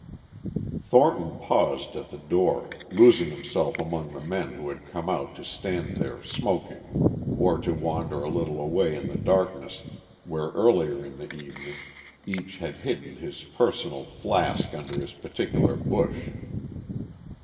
Thornton paused at the door, losing himself among the men who had come out to stand there smoking or to wander a little away in the darkness where earlier in the evening each had hidden his personal flask under his particular bush.